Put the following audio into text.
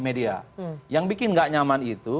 media yang bikin gak nyaman itu